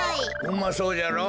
うまそうじゃろ。